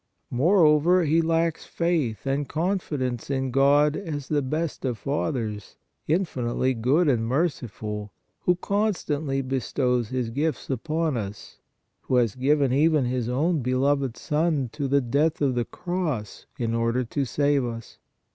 Moreover, he lacks faith and con fidence in God as the best of fathers, infinitely good and merciful, who constantly bestows His gifts upon us, who has given even His own beloved Son to the death of the cross in order to save us.